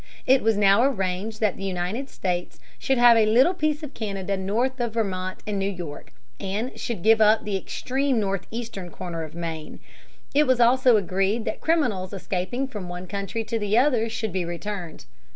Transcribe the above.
It was now arranged that the United States should have a little piece of Canada north of Vermont and New York and should give up the extreme northeastern corner of Maine. It was also agreed that criminals escaping from one country to the other should be returned.